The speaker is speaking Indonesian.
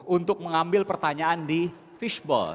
untuk mengambil pertanyaan di fishball